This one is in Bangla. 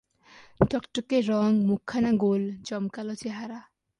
টকটকে রঙ, মুখখানা গোল, জমকালো চেহারা।